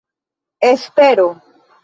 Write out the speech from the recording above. espero